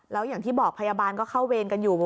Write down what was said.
แล้วอย่างที่บอกพยาบาลก็เข้าเวรกันอยู่